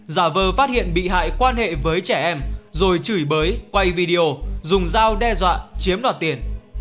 giả vờ phát hiện bị hại quan hệ với trẻ em rồi chửi bới quay video dùng dao đe dọa chiếm đoạt tiền